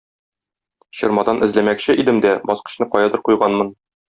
Чормадан эзләмәкче идем дә, баскычны каядыр куйганмын.